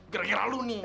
gara gara lu nih